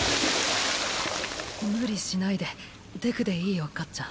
無理しないでデクでいいよかっちゃん。